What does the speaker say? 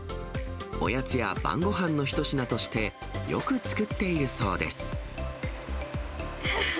おやつや晩ごはんの一品として、よく作っているそうです。